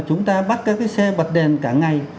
chúng ta bắt các cái xe bật đèn cả ngày